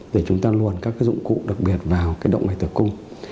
để chúng ta luồn các cái dụng cụ đặc biệt vào cái động mạch tử cung